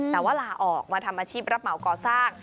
แต่ว่าลาออกมาทำอาชีพรับเหมาก่อสร้าง